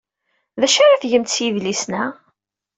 D acu ara tgemt s yidlisen-a?